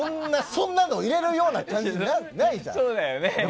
そんなの入れるような感じないじゃん。